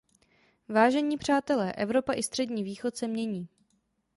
Vážení přátelé, Evropa i Střední východ se mění.